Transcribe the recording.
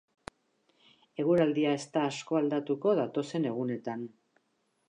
Eguraldia ez da asko aldatuko datozen egunetan.